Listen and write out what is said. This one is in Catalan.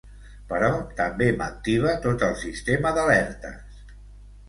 Però també m'activa tot el sistema d'alertes.